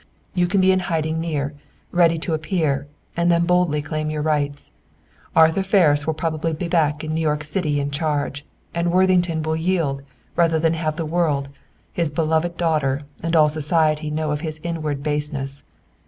You can be in hiding near, ready to appear, and then boldly claim your rights. Arthur Ferris will probably be back in New York City in charge, and Worthington will yield rather than have the world, his beloved daughter, and all society know of his inward baseness.